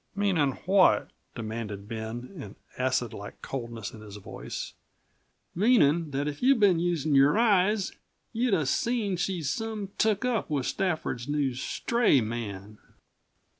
"Meaning what?" demanded Ben, an acid like coldness in his voice. "Meanin' that if you'd been usin' your eyes you'd have seen that she's some took up with Stafford's new stray man."